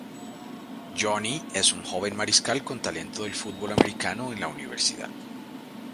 Johnny es un joven mariscal con el talento del fútbol americano en la universidad.